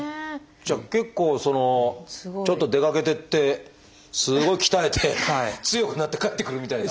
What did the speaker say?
じゃあ結構ちょっと出かけていってすごい鍛えて強くなって帰ってくるみたいな。